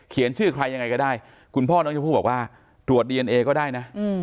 ชื่อใครยังไงก็ได้คุณพ่อน้องชมพู่บอกว่าตรวจดีเอนเอก็ได้นะ